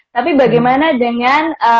tapi bagaimana dengan